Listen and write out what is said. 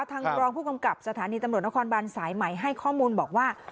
รองผู้กำกับสถานีตำรวจนครบันสายใหม่ให้ข้อมูลบอกว่า